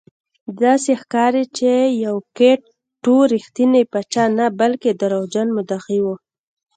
داسې ښکاري چې یوکیت ټو رښتینی پاچا نه بلکې دروغجن مدعي و.